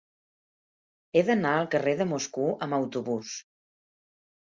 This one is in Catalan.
He d'anar al carrer de Moscou amb autobús.